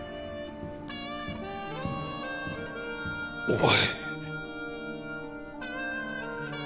お前！